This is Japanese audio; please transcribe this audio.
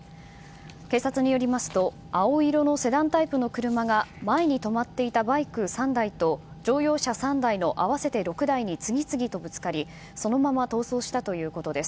警察によりますと青色のセダンタイプの車が前に止まっていたバイク３台と乗用車３台の、合わせて６台に次々とぶつかりそのまま逃走したということです。